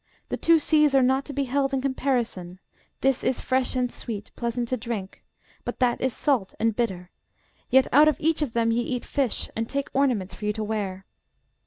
The two seas are not to be held in comparison: this is fresh and sweet, pleasant to drink; but that is salt and bitter: yet out of each of them ye eat fish, and take ornaments for you to wear.